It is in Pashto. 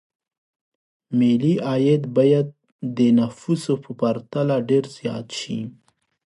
ملي عاید باید د نفوسو په پرتله ډېر زیات شي.